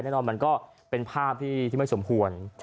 แน่นอนมันก็เป็นภาพที่ไม่สมควร